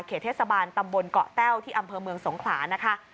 เทศบาลตำบลเกาะแต้วที่อำเภอเมืองสงขลานะคะ